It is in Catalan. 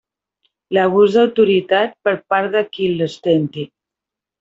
L'abús d'autoritat per part de qui l'ostenti.